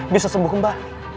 bisa sembuh kembali